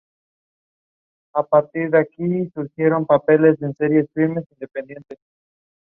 The airport is located west of Falam.